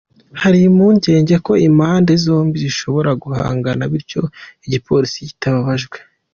Hari impungenge ko impande zombi zishobora guhangana, bityo igipolisi cyitabajwe.